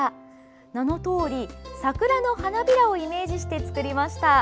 名のとおり桜の花びらをイメージして作りました。